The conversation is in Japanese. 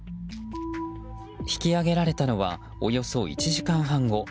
引き揚げられたのはおよそ１時間半後。